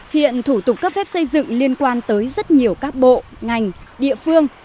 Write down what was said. hiện thủ tục cấp phép xây dựng liên quan tới rất nhiều các bộ ngành địa phương